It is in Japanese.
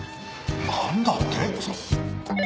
なんだって？